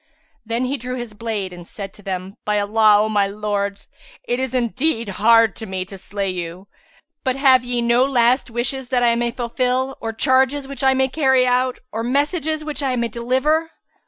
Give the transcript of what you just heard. Then he drew his blade and said to them, "By Allah, O my lords, it is indeed hard to me to slay you! But have ye no last wishes that I may fulfil or charges which I may carry out, or message which I may deliver?"